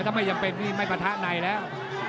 ถ้ามันต้องไม่เป็นไม่มาจะทะไหนแล้ว